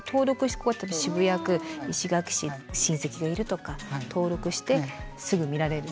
ここだったら渋谷区石垣市親戚がいるとか登録してすぐ見られるんですけど。